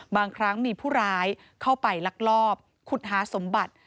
บางครั้งมีผู้ร้ายเข้าไปลักลอบขุดหาสมบัติ